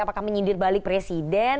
apakah menyindir balik presiden